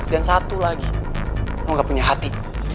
dan satu lagi lo gak punya hati